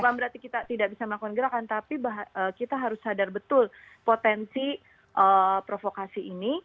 bukan berarti kita tidak bisa melakukan gerakan tapi kita harus sadar betul potensi provokasi ini